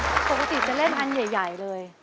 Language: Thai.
ปกติจะเล่นอันใหญ่เลย